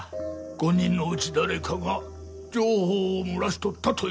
５人のうち誰かが情報を漏らしとったという事ですか？